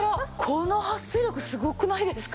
この撥水力すごくないですか？